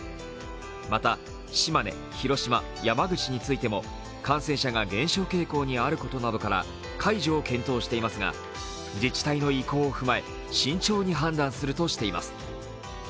また、島根、広島、山口についても感染者が減少傾向にあることから解除を検討していますが、自治体の意向を踏まえ、慎重に判断するとしています。